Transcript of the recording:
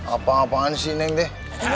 apa apaan sih neng deh